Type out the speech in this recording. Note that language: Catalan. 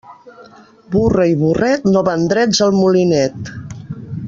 Burra i burret no van drets al molinet.